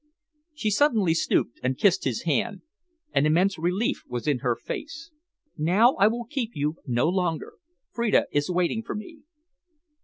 She suddenly stooped and kissed his hand. An immense relief was in her face. "Now I will keep you no longer. Freda is waiting for me."